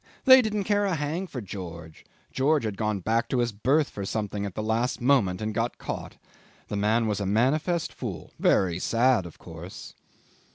They didn't care a hang for George. George had gone back to his berth for something at the last moment and got caught. The man was a manifest fool. Very sad, of course.